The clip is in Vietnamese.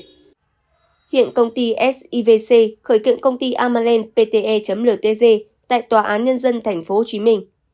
hiện công ty sivc khởi kiện công ty amalend pte ltg tại tòa án nhân dân tp hcm